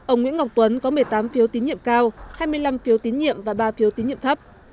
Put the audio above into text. ông nguyễn ngọc tuấn có một mươi tám phiếu tín nhiệm cao hai mươi năm phiếu tín nhiệm và ba phiếu tín nhiệm thấp